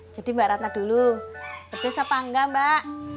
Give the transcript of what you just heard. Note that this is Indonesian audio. jadi mbak ratna dulu pedes apa enggak mbak